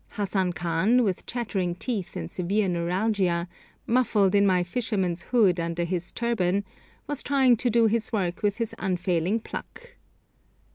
Hassan Khan, with chattering teeth and severe neuralgia, muffled in my 'fisherman's hood' under his turban, was trying to do his work with his unfailing pluck.